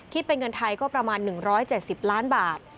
เป็นเงินไทยก็ประมาณ๑๗๐ล้านบาท